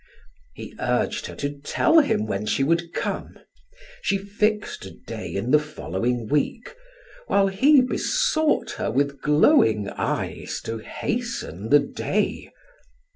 He urged her to tell him when she would come. She fixed a day in the following week, while he besought her with glowing eyes to hasten the day.